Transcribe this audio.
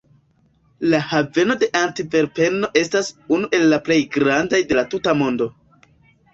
La haveno de Antverpeno estas unu el la plej grandaj de la tuta mondo.